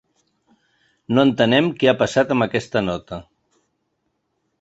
No entenem què ha passat amb aquesta nota.